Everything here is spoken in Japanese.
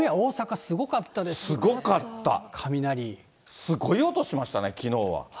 すごい音しましたね、きのうは。